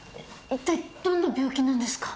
いったいどんな病気なんですか？